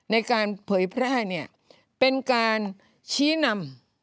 เผยแพร่เนี่ยเป็นการชี้นำ